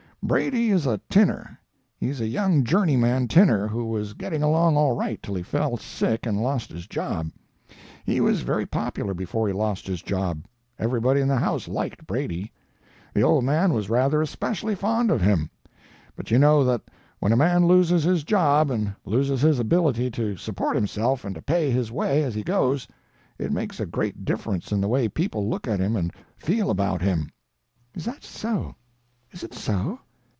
"Brady is a tinner. He's a young journeyman tinner who was getting along all right till he fell sick and lost his job. He was very popular before he lost his job; everybody in the house liked Brady. The old man was rather especially fond of him, but you know that when a man loses his job and loses his ability to support himself and to pay his way as he goes, it makes a great difference in the way people look at him and feel about him." "Is that so! Is it so?"